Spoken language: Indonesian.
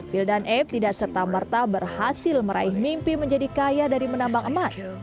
bill dan ep tidak setamerta berhasil meraih mimpi menjadi kaya dari menambang emas